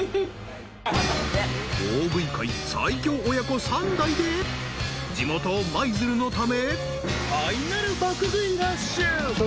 ［大食い界最強親子三代で地元舞鶴のためファイナル爆食いラッシュ］